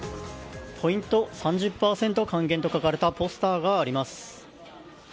ポイント３０％還元と書かれたポスターがあります。